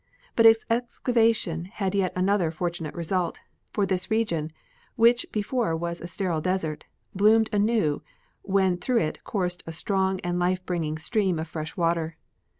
But its excavation had yet another fortunate result, for this region, which before was a sterile desert, bloomed anew when through it coursed a strong and life bringing stream of fresh water.